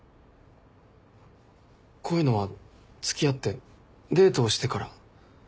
こういうのは付き合ってデートをしてから。